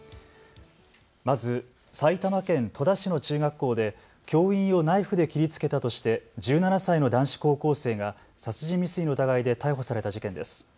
まず埼玉県戸田市の中学校で教員をナイフで切りつけたとして１７歳の男子高校生が殺人未遂の疑いで逮捕された事件です。